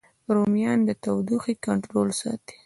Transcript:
رومیان د تودوخې کنټرول ساتي